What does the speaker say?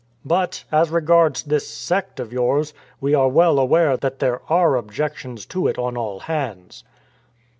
But, as regards this sect of yours, we are well aware that there are objections to it on all hands."